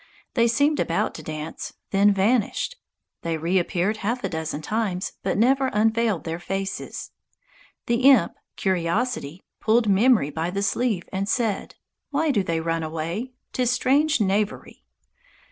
They seemed about to dance, then vanished. They reappeared half a dozen times, but never unveiled their faces. The imp Curiosity pulled Memory by the sleeve and said, "Why do they run away? 'Tis strange knavery!"